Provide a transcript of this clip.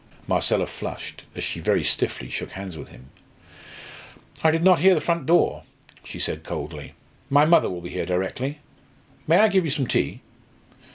Marcella flushed, as she very stiffly shook hands with him. "I did not hear the front door," she said coldly. "My mother will be here directly. May I give you some tea?"